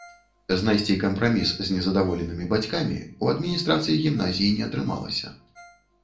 Знайсці кампраміс з незадаволенымі бацькамі ў адміністрацыі гімназіі не атрымалася.